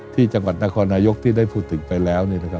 ที่จังหวัดนครนายกที่ได้พูดถึงไปแล้ว